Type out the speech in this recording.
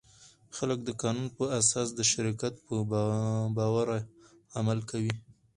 خلک د قانون پر اساس د شرکت په باور عمل کوي.